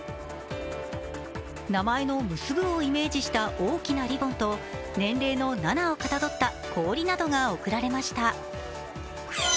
名前の結ぶをイメージした大きなリボンと年齢の７をかたどった氷などが贈られました。